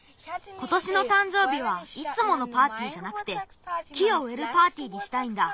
ことしのたんじょうびはいつものパーティーじゃなくて木をうえるパーティーにしたいんだ。